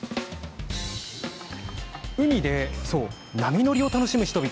海で波乗りを楽しむ人々。